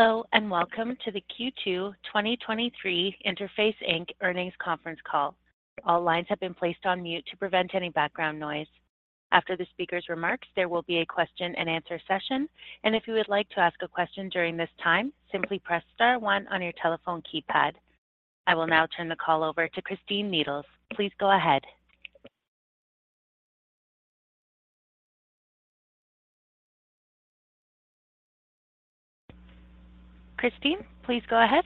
Hello, and welcome to the Q2 2023 Interface, Inc. earnings conference call. All lines have been placed on mute to prevent any background noise. After the speaker's remarks, there will be a question and answer session, and if you would like to ask a question during this time, simply press star one on your telephone keypad. I will now turn the call over to Christine Needles. Please go ahead. Christine, please go ahead.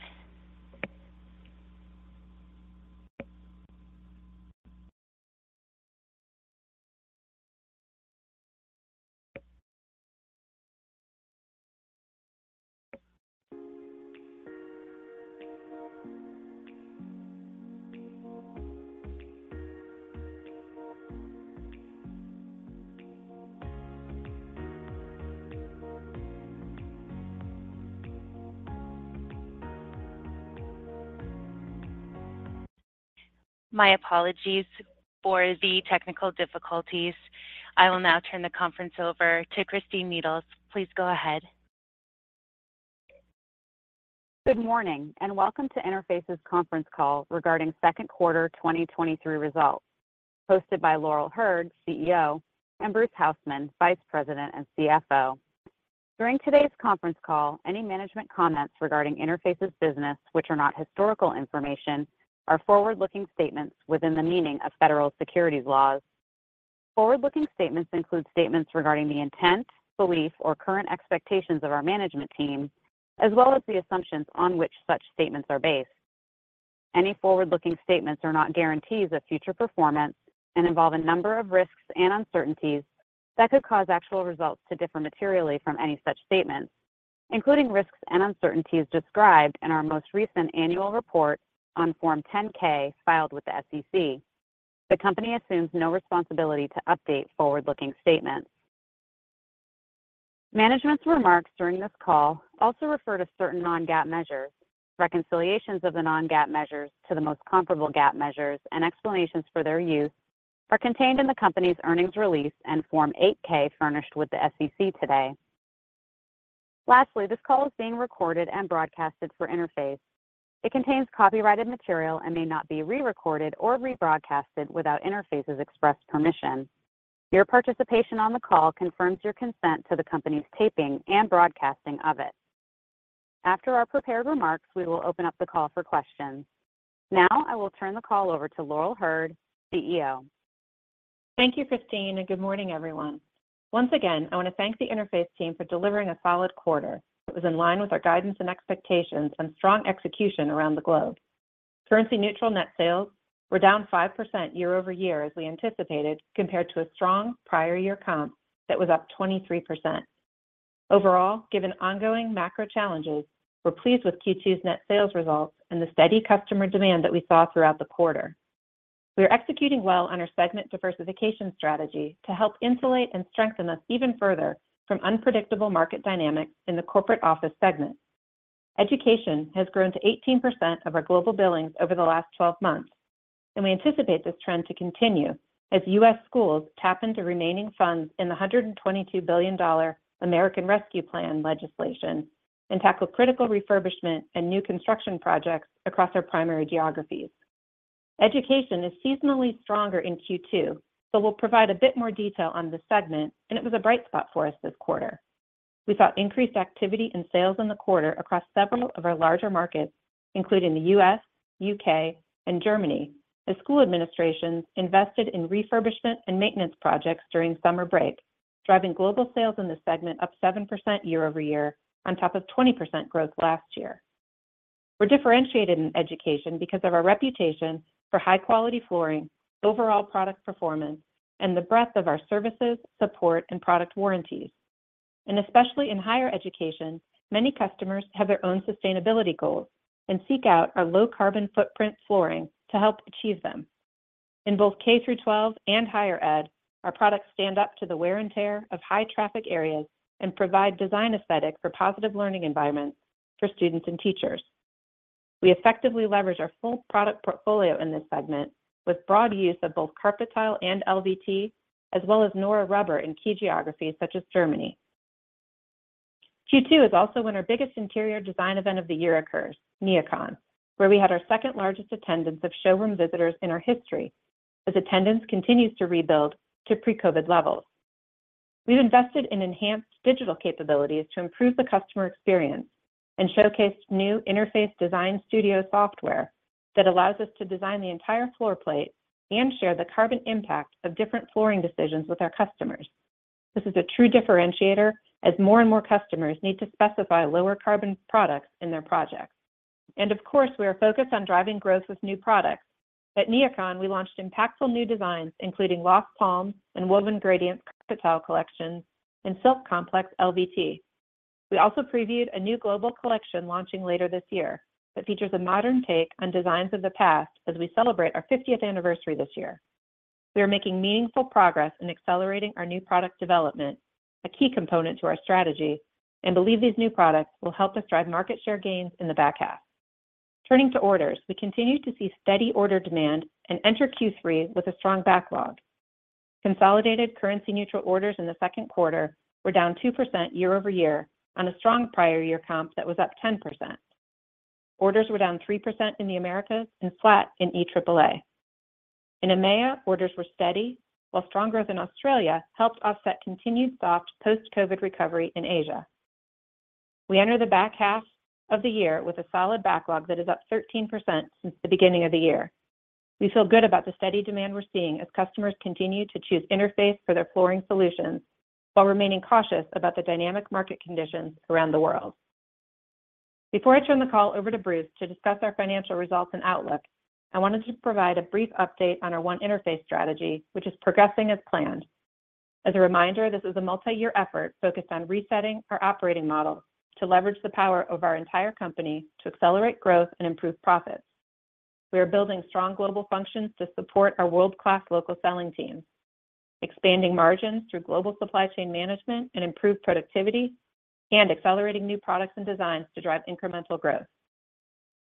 My apologies for the technical difficulties. I will now turn the conference over to Christine Needles. Please go ahead. Good morning, and welcome to Interface's conference call regarding second quarter 2023 results, hosted by Laurel Hurd, CEO, and Bruce Hausmann, Vice President and CFO. During today's conference call, any management comments regarding Interface's business, which are not historical information, are forward-looking statements within the meaning of federal securities laws. Forward-looking statements include statements regarding the intent, belief, or current expectations of our management team, as well as the assumptions on which such statements are based. Any forward-looking statements are not guarantees of future performance and involve a number of risks and uncertainties that could cause actual results to differ materially from any such statements, including risks and uncertainties described in our most recent annual report on Form 10-K filed with the SEC. The company assumes no responsibility to update forward-looking statements. Management's remarks during this call also refer to certain non-GAAP measures. Reconciliations of the non-GAAP measures to the most comparable GAAP measures and explanations for their use are contained in the company's earnings release and Form 8-K furnished with the SEC today. This call is being recorded and broadcasted for Interface. It contains copyrighted material and may not be re-recorded or rebroadcasted without Interface's express permission. Your participation on the call confirms your consent to the company's taping and broadcasting of it. After our prepared remarks, we will open up the call for questions. I will turn the call over to Laurel Hurd, CEO. Thank you, Christine, and good morning, everyone. Once again, I want to thank the Interface team for delivering a solid quarter that was in line with our guidance and expectations and strong execution around the globe. Currency-Neutral net sales were down 5% year-over-year, as we anticipated, compared to a strong prior year comp that was up 23%. Overall, given ongoing macro challenges, we're pleased with Q2's net sales results and the steady customer demand that we saw throughout the quarter. We are executing well on our segment diversification strategy to help insulate and strengthen us even further from unpredictable market dynamics in the corporate office segment. Education has grown to 18% of our global billings over the last 12 months. We anticipate this trend to continue as U.S. schools tap into remaining funds in the $122 billion American Rescue Plan legislation and tackle critical refurbishment and new construction projects across our primary geographies. Education is seasonally stronger in Q2. We'll provide a bit more detail on this segment. It was a bright spot for us this quarter. We saw increased activity in sales in the quarter across several of our larger markets, including the U.S., U.K., and Germany, as school administrations invested in refurbishment and maintenance projects during summer break, driving global sales in this segment up 7% year-over-year on top of 20% growth last year. We're differentiated in education because of our reputation for high-quality flooring, overall product performance, and the breadth of our services, support, and product warranties. Especially in higher education, many customers have their own sustainability goals and seek out our low carbon footprint flooring to help achieve them. In both K-12 and higher ed, our products stand up to the wear and tear of high traffic areas and provide design aesthetic for positive learning environments for students and teachers. We effectively leverage our full product portfolio in this segment with broad use of both carpet tile and LVT, as well as nora rubber in key geographies such as Germany. Q2 is also when our biggest interior design event of the year occurs, NeoCon, where we had our second largest attendance of showroom visitors in our history, as attendance continues to rebuild to pre-COVID levels. We've invested in enhanced digital capabilities to improve the customer experience and showcased new Interface Design Studio software that allows us to design the entire floorplate and share the carbon impact of different flooring decisions with our customers. This is a true differentiator as more and more customers need to specify lower carbon products in their projects. Of course, we are focused on driving growth with new products. At NeoCon, we launched impactful new designs, including Lost Palms and Woven Gradience carpet tile collections and Silk Complex LVT. We also previewed a new global collection launching later this year that features a modern take on designs of the past as we celebrate our fiftieth anniversary this year. We are making meaningful progress in accelerating our new product development, a key component to our strategy, and believe these new products will help us drive market share gains in the back half. Turning to orders, we continue to see steady order demand and enter Q3 with a strong backlog. Consolidated Currency-Neutral orders in the second quarter were down 2% year-over-year on a strong prior year comp that was up 10%. Orders were down 3% in the Americas and flat in EAAA. In EMEA, orders were steady, while strong growth in Australia helped offset continued soft post-COVID recovery in Asia. We enter the back half of the year with a solid backlog that is up 13% since the beginning of the year. We feel good about the steady demand we're seeing as customers continue to choose Interface for their flooring solutions, while remaining cautious about the dynamic market conditions around the world. Before I turn the call over to Bruce to discuss our financial results and outlook, I wanted to provide a brief update on our One Interface strategy, which is progressing as planned. As a reminder, this is a multi-year effort focused on resetting our operating model to leverage the power of our entire company to accelerate growth and improve profits. We are building strong global functions to support our world-class local selling teams, expanding margins through global supply chain management and improved productivity, and accelerating new products and designs to drive incremental growth.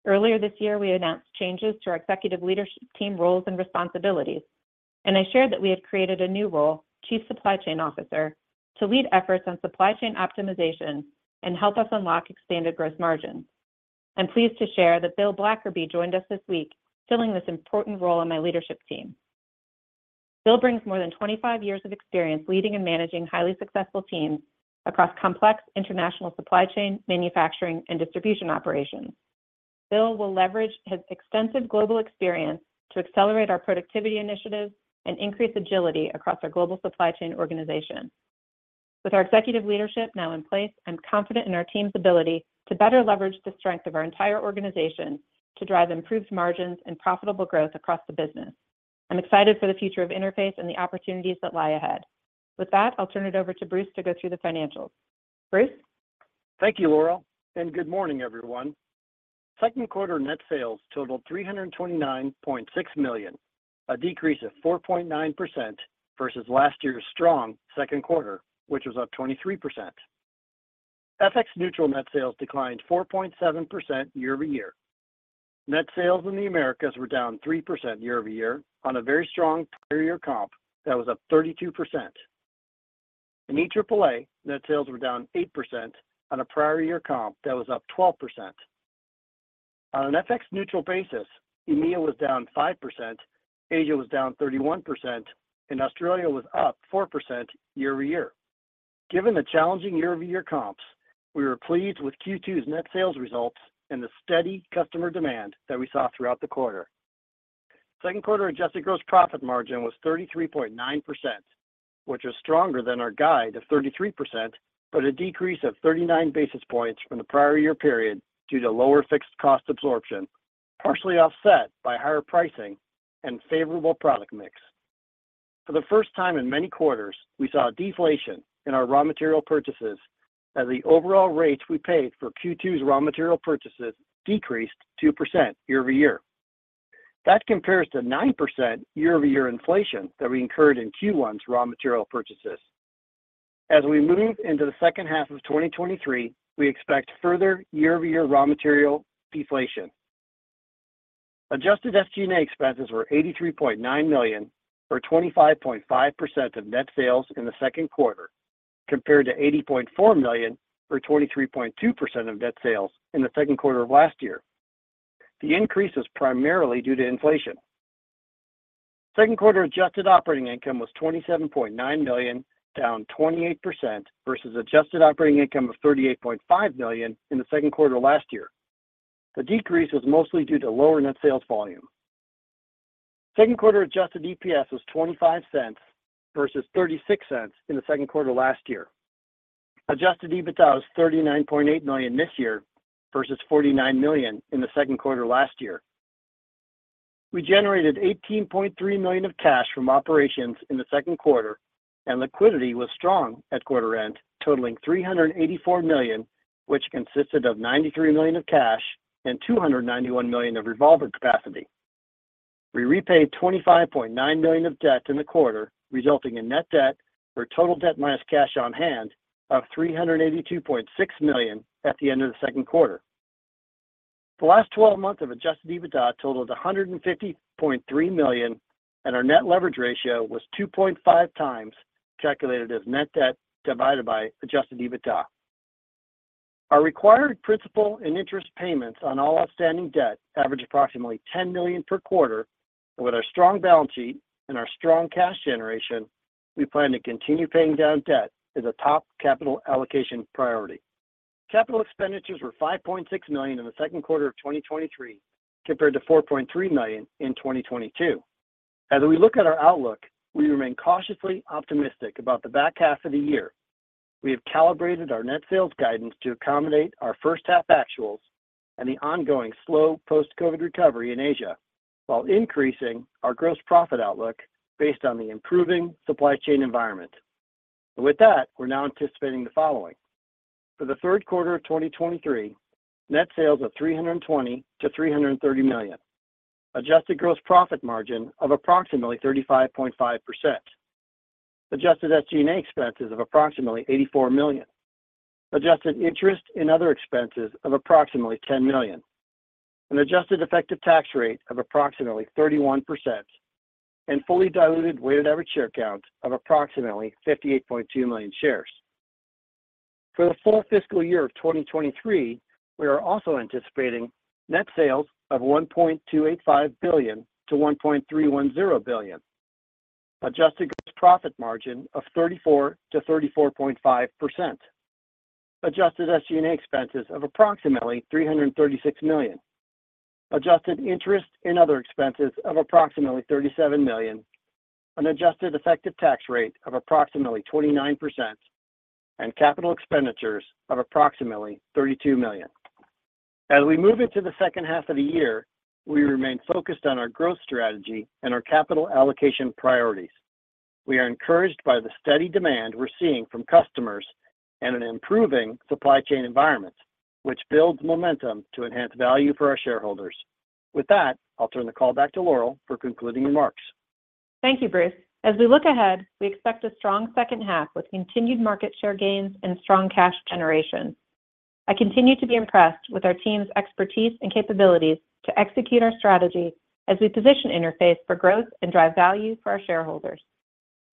Earlier this year, we announced changes to our executive leadership team roles and responsibilities, and I shared that we have created a new role, Chief Supply Chain Officer, to lead efforts on supply chain optimization and help us unlock expanded gross margins. I'm pleased to share that Bill Blackerby joined us this week, filling this important role on my leadership team. Bill brings more than 25 years of experience leading and managing highly successful teams across complex international supply chain, manufacturing, and distribution operations. Bill will leverage his extensive global experience to accelerate our productivity initiatives and increase agility across our global supply chain organization. With our executive leadership now in place, I'm confident in our team's ability to better leverage the strength of our entire organization to drive improved margins and profitable growth across the business. I'm excited for the future of Interface and the opportunities that lie ahead. With that, I'll turn it over to Bruce to go through the financials. Bruce? Thank you, Laurel. Good morning, everyone. Second quarter net sales totaled $329.6 million, a decrease of 4.9% versus last year's strong second quarter, which was up 23%. FX neutral net sales declined 4.7% year-over-year. Net sales in the Americas were down 3% year-over-year on a very strong prior year comp that was up 32%. In EAAA, net sales were down 8% on a prior year comp that was up 12%. On an FX neutral basis, EMEA was down 5%, Asia was down 31%, and Australia was up 4% year-over-year. Given the challenging year-over-year comps, we were pleased with Q2's net sales results and the steady customer demand that we saw throughout the quarter. Second quarter adjusted gross profit margin was 33.9%, which is stronger than our guide of 33%, but a decrease of 39 basis points from the prior year period due to lower fixed cost absorption, partially offset by higher pricing and favorable product mix. For the first time in many quarters, we saw deflation in our raw material purchases as the overall rates we paid for Q2's raw material purchases decreased 2% year-over-year. That compares to 9% year-over-year inflation that we incurred in Q1's raw material purchases. As we move into the second half of 2023, we expect further year-over-year raw material deflation. Adjusted SG&A expenses were $83.9 million, or 25.5% of net sales in the second quarter, compared to $80.4 million, or 23.2% of net sales in the second quarter of last year. The increase is primarily due to inflation. Second quarter adjusted operating income was $27.9 million, down 28% versus adjusted operating income of $38.5 million in the second quarter last year. The decrease was mostly due to lower net sales volume. Second quarter adjusted EPS was $0.25 versus $0.36 in the second quarter last year. Adjusted EBITDA was $39.8 million this year versus $49 million in the second quarter last year. We generated $18.3 million of cash from operations in the second quarter, and liquidity was strong at quarter-end, totaling $384 million, which consisted of $93 million of cash and $291 million of revolver capacity. We repaid $25.9 million of debt in the quarter, resulting in net debt, or total debt minus cash on hand, of $382.6 million at the end of the second quarter. The last 12 months of adjusted EBITDA totaled $150.3 million, and our net leverage ratio was 2.5x, calculated as net debt divided by adjusted EBITDA. Our required principal and interest payments on all outstanding debt average approximately $10 million per quarter. With our strong balance sheet and our strong cash generation, we plan to continue paying down debt as a top capital allocation priority. Capital expenditures were $5.6 million in the second quarter of 2023, compared to $4.3 million in 2022. As we look at our outlook, we remain cautiously optimistic about the back half of the year. We have calibrated our net sales guidance to accommodate our first half actuals and the ongoing slow post-COVID recovery in Asia, while increasing our gross profit outlook based on the improving supply chain environment. With that, we're now anticipating the following: For the third quarter of 2023, net sales of $320 million-$330 million. Adjusted gross profit margin of approximately 35.5%. adjusted SG&A expenses of approximately $84 million, adjusted interest in other expenses of approximately $10 million, an adjusted effective tax rate of approximately 31%, and fully diluted weighted average share count of approximately 58.2 million shares. For the full fiscal year of 2023, we are also anticipating net sales of $1.285 billion-$1.310 billion, adjusted gross profit margin of 34%-34.5%, adjusted SG&A expenses of approximately $336 million, adjusted interest in other expenses of approximately $37 million, an adjusted effective tax rate of approximately 29%, and capital expenditures of approximately $32 million. As we move into the second half of the year, we remain focused on our growth strategy and our capital allocation priorities. We are encouraged by the steady demand we're seeing from customers and an improving supply chain environment, which builds momentum to enhance value for our shareholders. With that, I'll turn the call back to Laurel for concluding remarks. Thank you, Bruce. As we look ahead, we expect a strong second half with continued market share gains and strong cash generation. I continue to be impressed with our team's expertise and capabilities to execute our strategy as we position Interface for growth and drive value for our shareholders.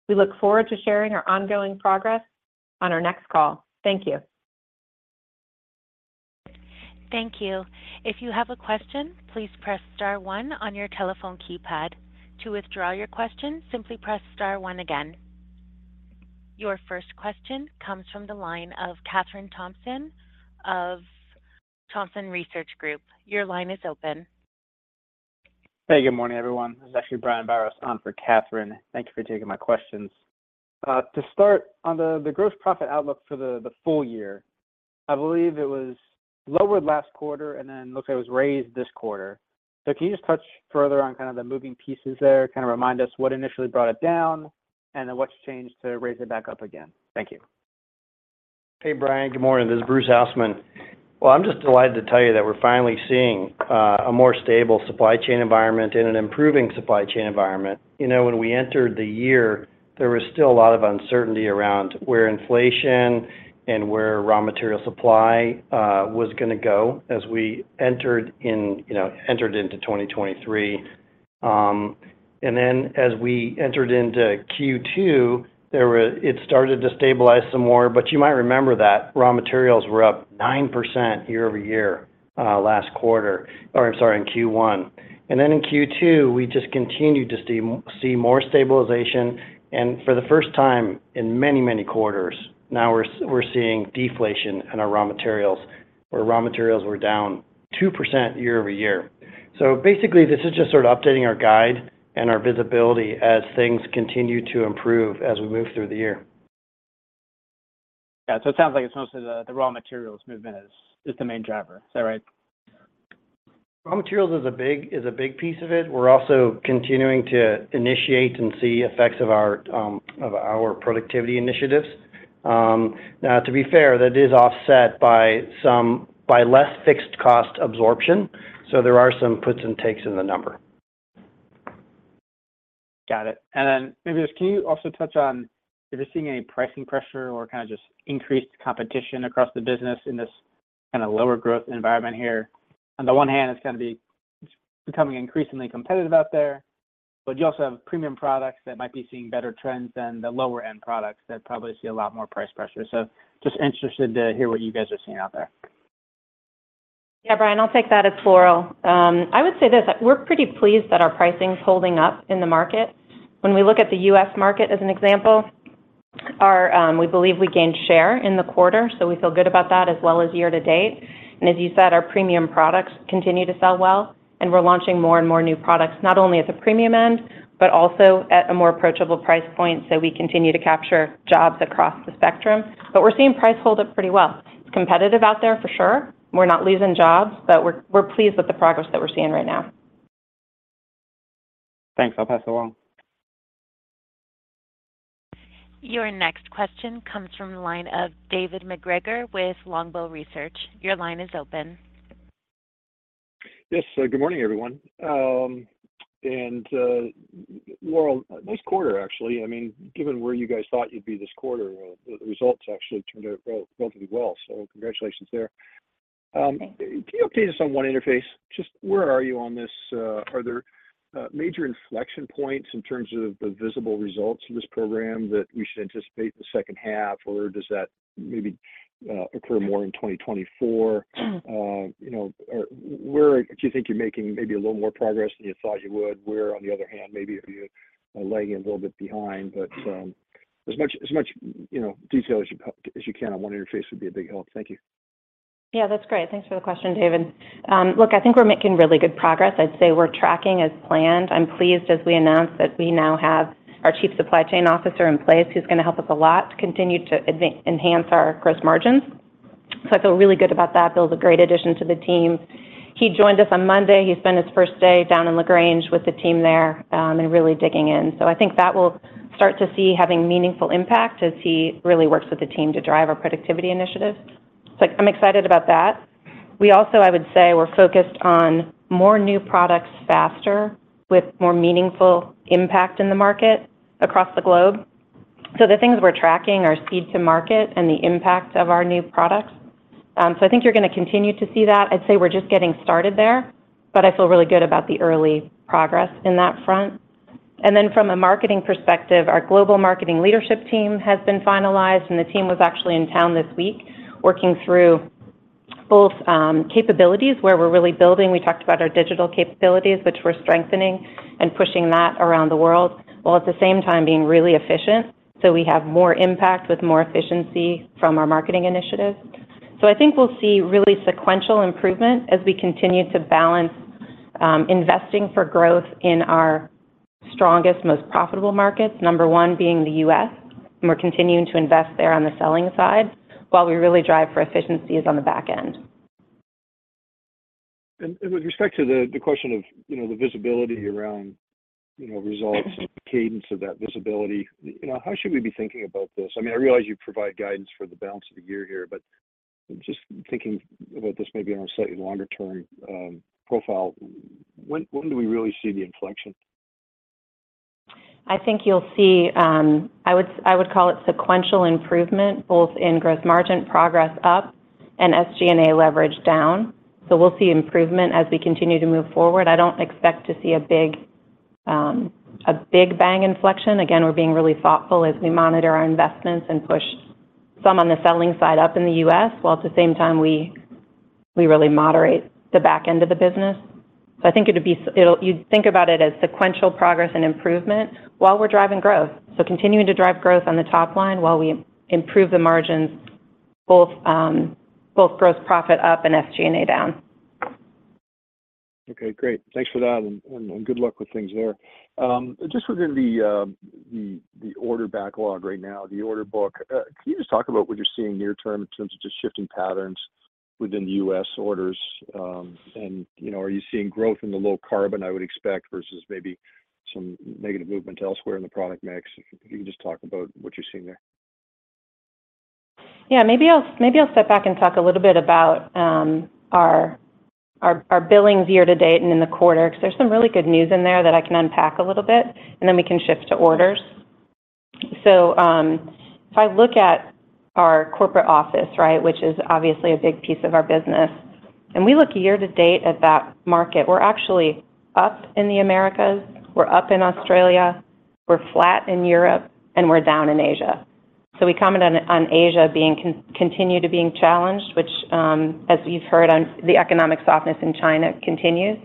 We look forward to sharing our ongoing progress on our next call. Thank you. Thank you. If you have a question, please press star one on your telephone keypad. To withdraw your question, simply press star one again. Your first question comes from the line of Kathryn Thompson of Thompson Research Group. Your line is open. Hey, good morning, everyone. This is actually Brian Biros on for Kathryn. Thank you for taking my questions. To start, on the gross profit outlook for the full year, I believe it was lowered last quarter, and then looks like it was raised this quarter. Can you just touch further on kind of the moving pieces there? Kind of remind us what initially brought it down, and then what's changed to raise it back up again. Thank you. Hey, Brian. Good morning. This is Bruce Hausmann. Well, I'm just delighted to tell you that we're finally seeing a more stable supply chain environment and an improving supply chain environment. You know, when we entered the year, there was still a lot of uncertainty around where inflation and where raw material supply was gonna go as we entered in, you know, entered into 2023. Then as we entered into Q2, it started to stabilize some more, but you might remember that raw materials were up 9% year-over-year last quarter, or I'm sorry, in Q1. Then in Q2, we just continued to see more stabilization, and for the first time in many, many quarters, now we're seeing deflation in our raw materials, where raw materials were down 2% year-over-year. Basically, this is just sort of updating our guide and our visibility as things continue to improve as we move through the year. Yeah. It sounds like it's mostly the, the raw materials movement is, is the main driver. Is that right? Raw materials is a big, is a big piece of it. We're also continuing to initiate and see effects of our of our productivity initiatives. Now, to be fair, that is offset by some... by less fixed cost absorption. There are some puts and takes in the number. Got it. Then maybe just can you also touch on if you're seeing any pricing pressure or kind of just increased competition across the business in this kind of lower growth environment here? On the one hand, it's gonna be becoming increasingly competitive out there, but you also have premium products that might be seeing better trends than the lower-end products that probably see a lot more price pressure. Just interested to hear what you guys are seeing out there. Yeah, Brian, I'll take that as Laurel. I would say this, that we're pretty pleased that our pricing's holding up in the market. When we look at the US market, as an example, our... We believe we gained share in the quarter, we feel good about that, as well as year to date. As you said, our premium products continue to sell well, we're launching more and more new products, not only at the premium end, but also at a more approachable price point, we continue to capture jobs across the spectrum. We're seeing price hold up pretty well. It's competitive out there, for sure. We're not losing jobs, we're, we're pleased with the progress that we're seeing right now. Thanks. I'll pass it along. Your next question comes from the line of David MacGregor with Longbow Research. Your line is open. Yes. Good morning, everyone. Well, nice quarter, actually. I mean, given where you guys thought you'd be this quarter, the results actually turned out relatively well, so congratulations there. Thanks. Can you update us on One Interface? Just where are you on this? Are there major inflection points in terms of the visible results of this program that we should anticipate in the second half, or does that maybe occur more in 2024? You know, or where do you think you're making maybe a little more progress than you thought you would? Where, on the other hand, maybe are you lagging a little bit behind? As much, as much, you know, detail as you as you can on One Interface would be a big help. Thank you. Yeah, that's great. Thanks for the question, David. Look, I think we're making really good progress. I'd say we're tracking as planned. I'm pleased, as we announced, that we now have our Chief Supply Chain Officer in place, who's gonna help us a lot to continue to enhance our gross margins. I feel really good about that. Bill's a great addition to the team. He joined us on Monday. He spent his first day down in LaGrange with the team there, and really digging in. I think that will start to see having meaningful impact as he really works with the team to drive our productivity initiatives. I'm excited about that. We also, I would say, we're focused on more new products faster with more meaningful impact in the market across the globe. The things we're tracking are speed to market and the impact of our new products. I think you're gonna continue to see that. I'd say we're just getting started there, but I feel really good about the early progress in that front. Then from a marketing perspective, our global marketing leadership team has been finalized, and the team was actually in town this week, working through both capabilities, where we're really building. We talked about our digital capabilities, which we're strengthening and pushing that around the world, while at the same time being really efficient, so we have more impact with more efficiency from our marketing initiatives. I think we'll see really sequential improvement as we continue to balance, investing for growth in our strongest, most profitable markets, number 1 being the U.S., and we're continuing to invest there on the selling side while we really drive for efficiencies on the back end. With respect to the, the question of, you know, the visibility around, you know, results. The cadence of that visibility, you know, how should we be thinking about this? I mean, I realize you provide guidance for the balance of the year here, but just thinking about this maybe on a slightly longer-term, profile, when, when do we really see the inflection? I think you'll see, I would, I would call it sequential improvement, both in gross margin progress up and SG&A leverage down. We'll see improvement as we continue to move forward. I don't expect to see a big, a big bang inflection. Again, we're being really thoughtful as we monitor our investments and push some on the selling side up in the US, while at the same time, we, we really moderate the back end of the business. I think it'll be you'd think about it as sequential progress and improvement while we're driving growth. Continuing to drive growth on the top line while we improve the margins, both, both gross profit up and SG&A down. Okay, great. Thanks for that, and, and, and good luck with things there. Just within the, the, the order backlog right now, the order book, can you just talk about what you're seeing near term in terms of just shifting patterns within the US orders? You know, are you seeing growth in the low carbon, I would expect, versus maybe some negative movement elsewhere in the product mix? Can you just talk about what you're seeing there? Yeah. Maybe I'll, maybe I'll step back and talk a little bit about our, our, our billings year-to-date and in the quarter, 'cause there's some really good news in there that I can unpack a little bit, and then we can shift to orders. If I look at our corporate office, right, which is obviously a big piece of our business, and we look year-to-date at that market, we're actually up in the Americas, we're up in Australia, we're flat in Europe, and we're down in Asia. We commented on, on Asia being continue to being challenged, which, as you've heard on the economic softness in China continues.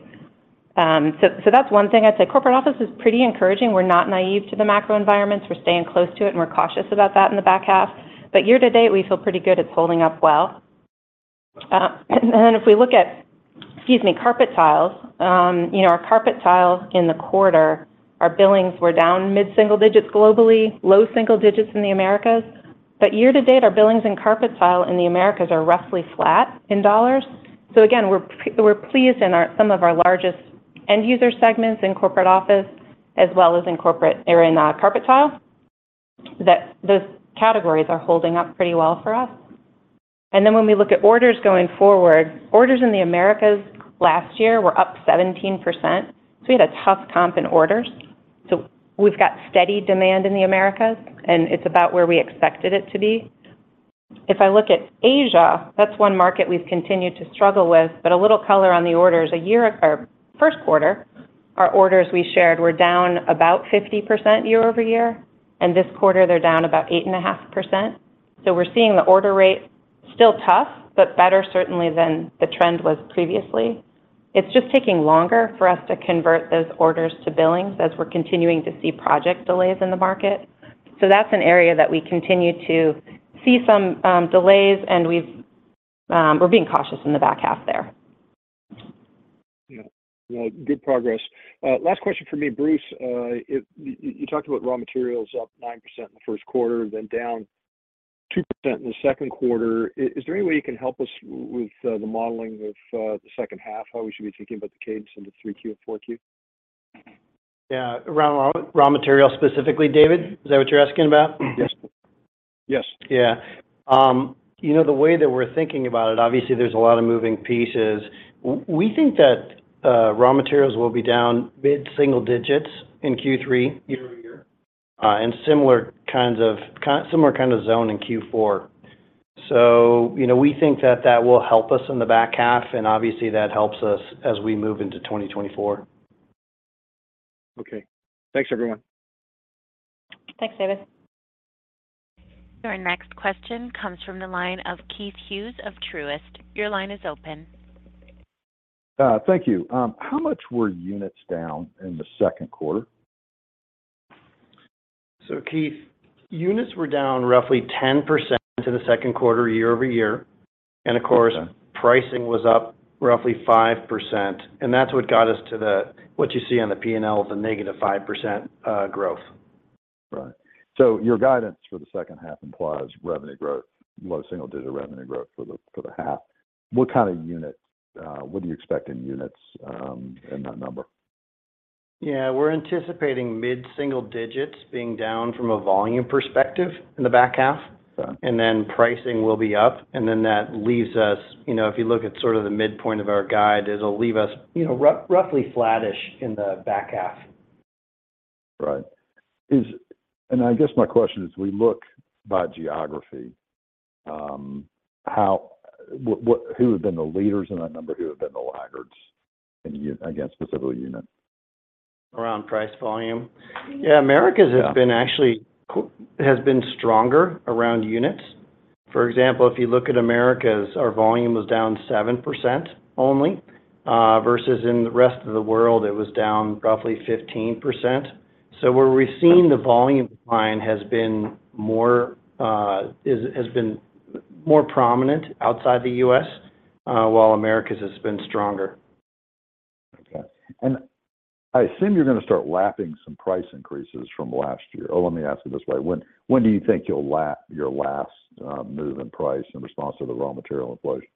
That's one thing I'd say. Corporate office is pretty encouraging. We're not naive to the macro environments. We're staying close to it, and we're cautious about that in the back half. Year to date, we feel pretty good. It's holding up well. And then if we look at, excuse me, carpet tiles, you know, our carpet tiles in the quarter, our billings were down mid-single digits globally, low single digits in the Americas. Year to date, our billings in carpet tile in the Americas are roughly flat in dollars. Again, we're pleased in some of our largest end user segments in corporate office, as well as in corporate or in carpet tile, that those categories are holding up pretty well for us. When we look at orders going forward, orders in the Americas last year were up 17%, so we had a tough comp in orders. We've got steady demand in the Americas, and it's about where we expected it to be. I look at Asia, that's one market we've continued to struggle with, but a little color on the orders. A year or first quarter, our orders we shared were down about 50% year-over-year, and this quarter, they're down about 8.5%. We're seeing the order rate still tough, but better certainly than the trend was previously. It's just taking longer for us to convert those orders to billings, as we're continuing to see project delays in the market. That's an area that we continue to see some delays, and we're being cautious in the back half there. Yeah. Well, good progress. Last question for me, Bruce, you, you, you talked about raw materials up 9% in the first quarter, then down 2% in the second quarter. Is, is there any way you can help us with the modeling of the second half, how we should be thinking about the cadence into 3Q and 4Q? Yeah. Around raw materials specifically, David? Is that what you're asking about? Yes. Yes. Yeah. You know, the way that we're thinking about it, obviously there's a lot of moving pieces. We think that raw materials will be down mid-single digits in Q3 year-over-year, and similar kind of zone in Q4. You know, we think that that will help us in the back half, and obviously, that helps us as we move into 2024. Okay. Thanks, everyone. Thanks, David. Our next question comes from the line of Keith Hughes of Truist. Your line is open. Thank you. How much were units down in the second quarter? Keith, units were down roughly 10% in the second quarter, year-over-year. Okay. Of course, pricing was up roughly 5%, and that's what got us to what you see on the P&L, the negative 5% growth. Right. Your guidance for the second half implies revenue growth, low single-digit revenue growth for the, for the half. What kind of units, what are you expecting units in that number? ... Yeah, we're anticipating mid-single digits being down from a volume perspective in the back half, and then pricing will be up, and then that leaves us, you know, if you look at sort of the midpoint of our guide, it'll leave us, you know, roughly flattish in the back half. Right. I guess my question is, we look by geography, how, what, what, who have been the leaders in that number, who have been the laggards in again, specific unit? Around price volume? Yeah, Americas- Yeah. has been actually has been stronger around units. For example, if you look at Americas, our volume was down 7% only, versus in the rest of the world, it was down roughly 15%. Where we're seeing the volume decline has been more, has been more prominent outside the US, while Americas has been stronger. Okay. I assume you're gonna start lapping some price increases from last year. Oh, let me ask it this way: When, when do you think you'll lap your last move in price in response to the raw material inflation?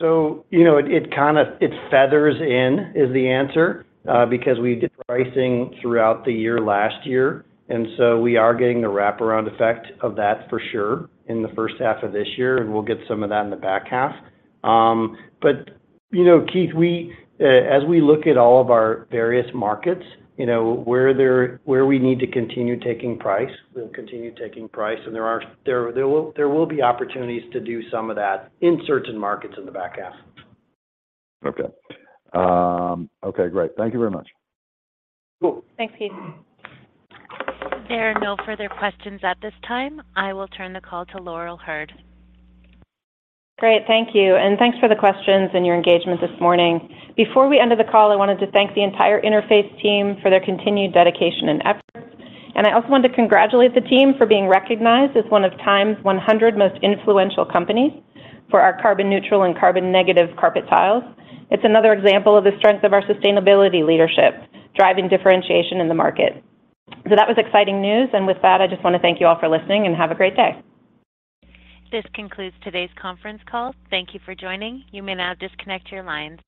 You know, it, it kind of... it feathers in, is the answer, because we did pricing throughout the year last year, and so we are getting the wraparound effect of that for sure in the first half of this year, and we'll get some of that in the back half. You know, Keith, we, as we look at all of our various markets, you know, where we need to continue taking price, we'll continue taking price, and there are, there, there will, there will be opportunities to do some of that in certain markets in the back half. Okay. Okay, great. Thank you very much. Cool. Thanks, Keith. There are no further questions at this time. I will turn the call to Laurel Hurd. Great, thank you, and thanks for the questions and your engagement this morning. Before we end the call, I wanted to thank the entire Interface team for their continued dedication and effort. I also wanted to congratulate the team for being recognized as one of TIME 100 most influential companies for our carbon-neutral and carbon-negative carpet tiles. It's another example of the strength of our sustainability leadership, driving differentiation in the market. That was exciting news, and with that, I just want to thank you all for listening, and have a great day. This concludes today's conference call. Thank you for joining. You may now disconnect your lines.